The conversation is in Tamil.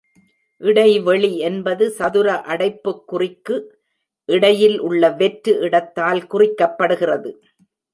இடைவெளி என்பது சதுர அடைப்புக்குறிக்கு இடையில் உள்ள வெற்று இடத்தால் குறிக்கப்படுகிறது.